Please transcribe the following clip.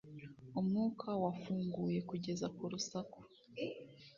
umwuka wafunguye kugeza ku rusaku